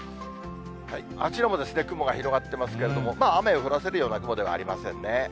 あちらも雲が広がってますけれども、雨を降らせるような雲ではありませんね。